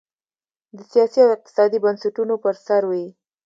د سیاسي او اقتصادي بنسټونو پر سر وې.